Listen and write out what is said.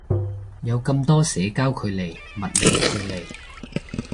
有咁多社交距離物理距離